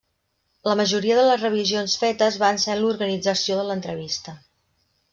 La majoria de les revisions fetes van ser en l'organització de l'entrevista.